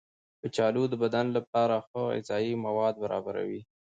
کچالو د بدن لپاره ښه غذايي مواد برابروي.